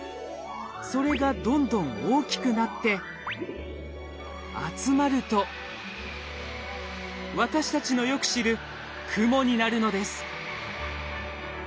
それがどんどん大きくなって集まると私たちのよく知る雲になるのです。